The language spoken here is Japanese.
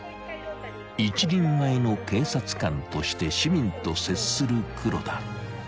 ［一人前の警察官として市民と接する黒田］